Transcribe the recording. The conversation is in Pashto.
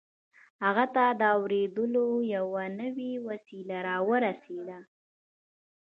هغه ته د اورېدلو يوه نوې وسيله را ورسېده.